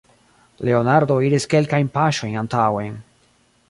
Leonardo iris kelkajn paŝojn antaŭen.